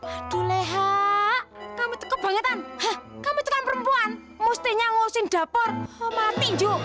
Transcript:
aduh leha kamu tegak bangetan kamu cekan perempuan mustinya ngusin dapur mati ju